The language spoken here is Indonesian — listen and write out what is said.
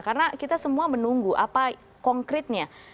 karena kita semua menunggu apa konkretnya